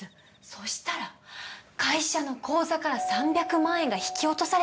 そうしたら会社の口座から３００万円が引き落とされていました。